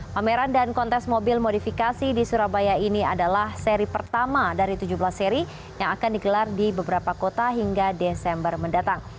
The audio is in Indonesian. pameran dan kontes mobil modifikasi di surabaya ini adalah seri pertama dari tujuh belas seri yang akan digelar di beberapa kota hingga desember mendatang